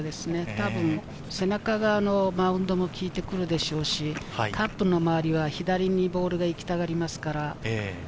たぶん背中側のマウンドもきいてくるでしょうし、カップの周りは左にボールが行きたがりますから。